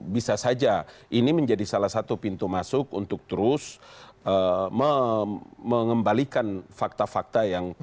bisa saja ini menjadi salah satu pintu masuk untuk terus mengembalikan fakta fakta yang